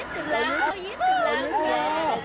ใช่เรา๒๐แล้วเรา๒๐แล้วค่ะ